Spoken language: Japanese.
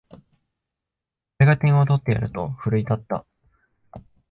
俺が点を取ってやると奮い立った